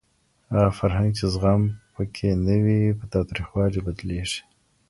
هغه فرهنګ چي زغم په کي نه وي په تاوتريخوالي بدليږي.